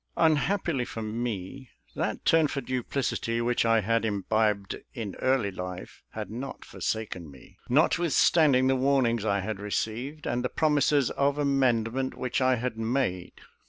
Unhappily for me, that turn for duplicity, which I had imbibed in early life, had not forsaken me, notwithstanding the warnings I had received, and the promises of amendment which I had made.